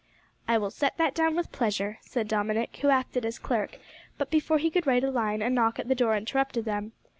'" "I will set that down with pleasure," said Dominick, who acted as clerk, but, before he could write a line, a knock at the door interrupted them.